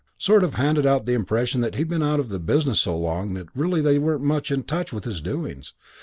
Sort of handed out the impression that he'd been out of the business so long that really they weren't much in touch with his doings.